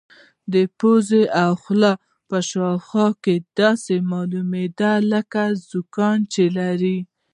د پوزې او خولې په شاوخوا کې داسې معلومېده لکه زکام چې لري.